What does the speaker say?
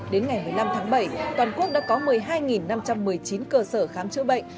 đến ngày một mươi năm tháng bảy toàn quốc đã có một mươi hai năm trăm một mươi chín cơ sở khám chữa bệnh